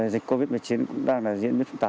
dịch covid một mươi chín cũng đang là diễn